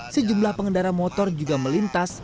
sejumlah pengendara motor juga melintas